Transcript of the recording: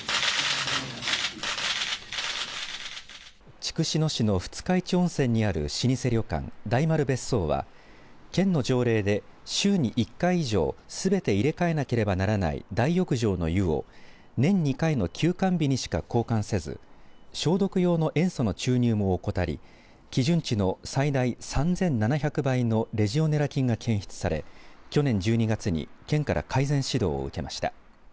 筑紫野市の二日市温泉にある老舗旅館大丸別荘は県の条例で週に１回以上すべて入れ替えなければならない大浴場の湯を年２回の休館日にしか交換せず消毒用の塩素の注入も怠り基準値の最大３７００倍のレジオネラ菌が検出され去年１２月に県から改善指導を受けました。